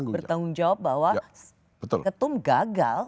bertanggung jawab bahwa ketum gagal